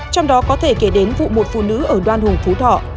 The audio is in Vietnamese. trong đó có thể kể đến vụ một phụ nữ ở đoan hùng phú thọ